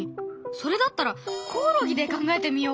それだったらコオロギで考えてみようかな。